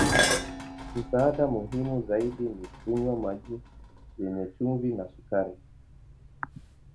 Msaada muhimu zaidi ni kunywa maji yenye chumvi na sukari.